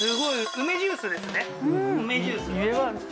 梅ジュース